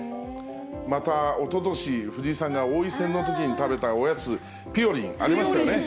また、おととし、藤井さんが王位戦のときに食べたおやつ、ぴよりん、ありましたよね。